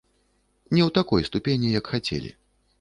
Не ў такой ступені, як хацелі.